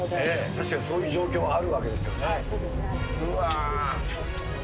確かにそういう状況あるわけそうですね。